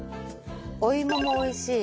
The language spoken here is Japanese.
お芋もおいしい